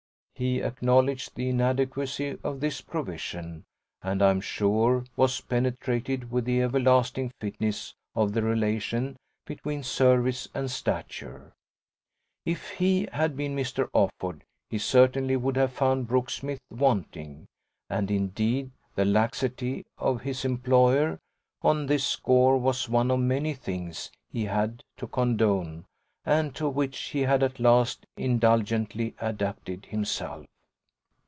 He acknowledged the inadequacy of this provision, and I'm sure was penetrated with the everlasting fitness of the relation between service and stature. If HE had been Mr. Offord he certainly would have found Brooksmith wanting, and indeed the laxity of his employer on this score was one of many things he had had to condone and to which he had at last indulgently adapted himself.